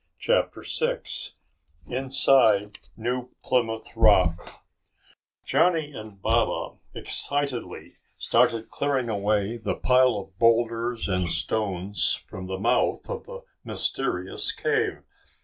CHAPTER SIX Inside New Plymouth Rock Johnny and Baba excitedly started clearing away the pile of boulders and stones from the mouth of the mysterious cave.